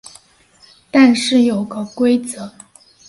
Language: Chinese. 但是有个规则